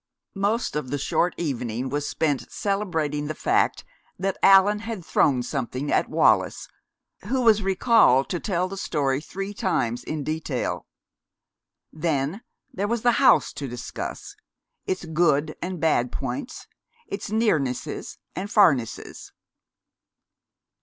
Most of the short evening was spent celebrating the fact that Allan had thrown something at Wallis, who was recalled to tell the story three times in detail. Then there was the house to discuss, its good and bad points, its nearnesses and farnesses.